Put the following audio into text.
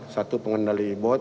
satu pengguna dan satu penyelamat